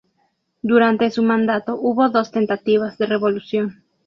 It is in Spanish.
Durante su mandato hubo dos tentativas de revolución.